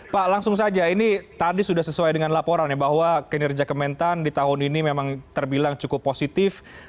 pak langsung saja ini tadi sudah sesuai dengan laporan ya bahwa kinerja kementan di tahun ini memang terbilang cukup positif